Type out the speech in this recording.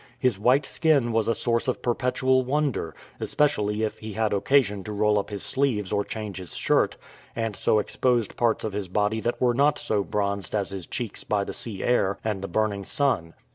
His white skin was a source of perpetual wonder, especially if he had occasion to roll up his sleeves or change his shirt, and so exposed parts of his body that were not so bronzed as his cheeks by the sea air and the burning sun.